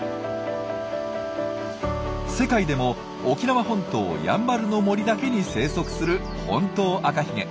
世界でも沖縄本島やんばるの森だけに生息するホントウアカヒゲ。